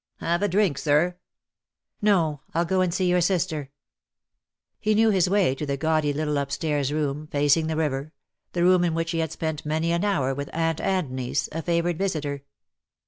"Have a drink, sir?" "No. I'll go and see your sister." DEAD LOVE HAS CHAINS. S^' He knew his way to the gaudy little upstairs room, facing the river, the room in which he had spent many an hour with aunt and niece, a favoured visitor.